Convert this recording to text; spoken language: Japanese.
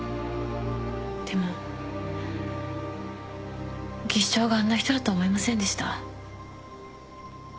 でも技師長があんな人だとは思いませんでした。